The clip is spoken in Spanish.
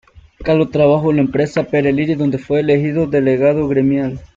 Caló trabajó en la empresa Pirelli, donde fue elegido delegado gremial.